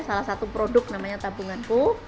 salah satu produk namanya tabunganku